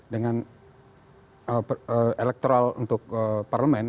dengan elektoral untuk parlemen